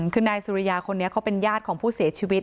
คือนายสุริยาคนนี้เขาเป็นญาติของผู้เสียชีวิต